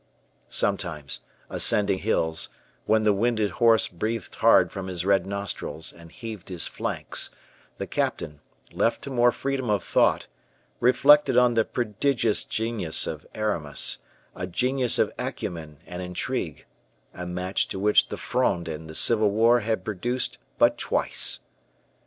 Sometimes, ascending hills, when the winded horse breathed hard from his red nostrils, and heaved his flanks, the captain, left to more freedom of thought, reflected on the prodigious genius of Aramis, a genius of acumen and intrigue, a match to which the Fronde and the civil war had produced but twice.